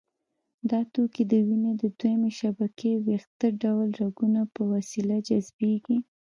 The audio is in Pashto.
دا توکي د وینې د دویمې شبکې ویښته ډوله رګونو په وسیله جذبېږي.